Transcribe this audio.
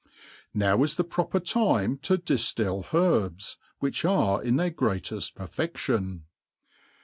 Now is the proper time. to diftil herbs^ which are in their greateft perfection.